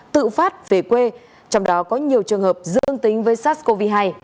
tự phát về quê trong đó có nhiều trường hợp dương tính với sars cov hai